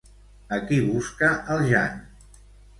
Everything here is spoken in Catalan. A qui busca el Jan?